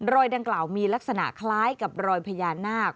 รอยดังกล่าวมีลักษณะคล้ายกับรอยพญานาค